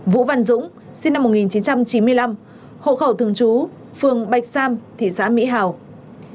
vũ văn dũng sinh năm một nghìn chín trăm chín mươi năm hộ khẩu thường trú phường bạch sam thị xã mỹ hào